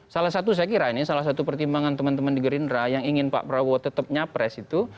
salah satu saya kira ini salah satu pertimbangan teman teman di gerindra yang ingin pak prabowo tetap nyapres itu